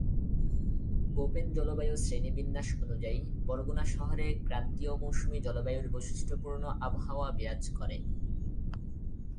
Copen জলবায়ু শ্রেণীবিন্যাস অনুযায়ী বরগুনা শহরে ক্রান্তীয় মৌসুমী জলবায়ুর বৈশিষ্ট্যপূর্ণ আবহাওয়া বিরাজ করে।